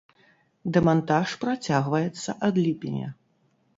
Дэмантаж працягваецца ад ліпеня.